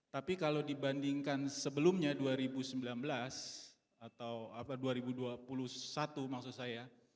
tapi kalau dibandingkan sebelumnya dua ribu sembilan belas atau dua ribu dua puluh satu maksud saya